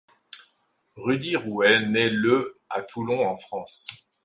Rudy Rouet naît le à Toulon en France.